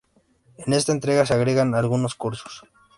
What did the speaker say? En esta entrega se agregan algunos cursos.